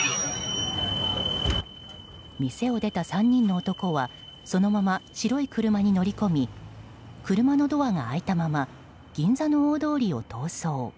店を出た３人の男はそのまま白い車に乗り込み車のドアが開いたまま銀座の大通りを逃走。